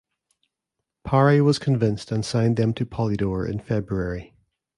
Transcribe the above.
Parry was convinced and signed them to Polydor in February.